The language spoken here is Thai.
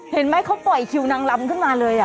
เห็นไหมเขาปล่อยคิวนางลำขึ้นมาเลย